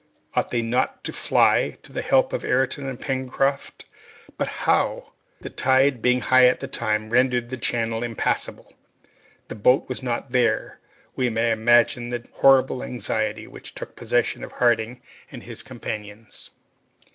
Ought they not to fly to the help of Ayrton and Pencroft? But how? The tide being high at that time, rendered the channel impassable. The boat was not there! We may imagine the horrible anxiety which took possession of Harding and his companions!